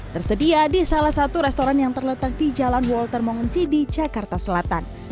tersedia di salah satu restoran yang terletak di jalan walter mongensi di jakarta selatan